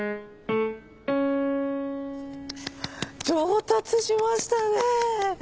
上達しましたね！